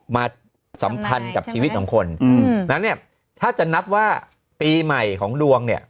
สัมพันธ์กับชีวิตของคนอืมนั้นเนี่ยถ้าจะนับว่าปีใหม่ของดวงเนี่ย